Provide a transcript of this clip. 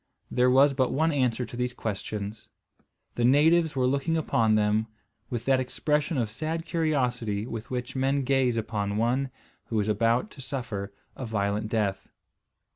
There was but one answer to these questions. The natives were looking upon them with that expression of sad curiosity with which men gaze upon one who is about to suffer a violent death.